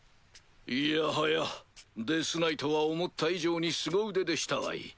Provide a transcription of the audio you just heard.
いやはやデスナイトは思った以上にすご腕でしたわい。